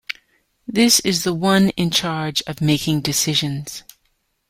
This is the one in charge of making decisions.